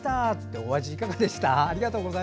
お味いかがでした？